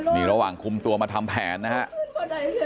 นี่ระหว่างคุมตัวมาทำแผนนะครับ